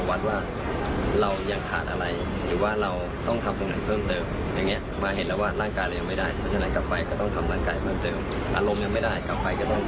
อารมณ์อย่างไม่ได้กลับไปก็ต้องได้อารมณ์แล้ว